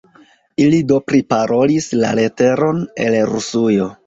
Ili do priparolis la leteron el Rusujo.